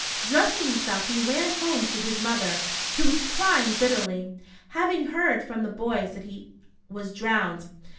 Dressing himself, he ran home to his mother, who was crying bitterly, having heard from the boys that he was drowned.